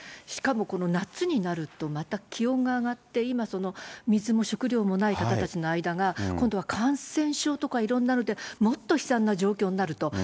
しかもこの夏になると、また気温が上がって、今、水も食料もない方たちの間が今度は感染症とかいろんなので、もっと悲惨な状況になると。